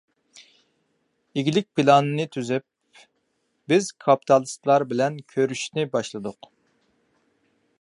ئىگىلىك پىلانىنى تۈزۈپ، بىز كاپىتالىستلار بىلەن كۆرۈشۈشنى باشلىدۇق.